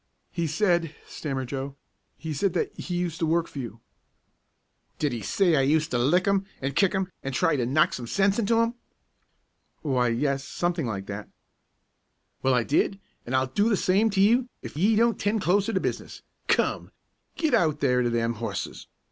"He said," stammered Joe, "he said that he used to work for you." "Did 'e say I used to lick 'im an' kick 'im, an' try to knock some sense into 'im?" "Why, yes; something like that." "Well, I did, an' I'll do the same to you ef ye don't 'ten' closer to business. Come! Git out there to them horses!